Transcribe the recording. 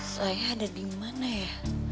saya ada dimana ya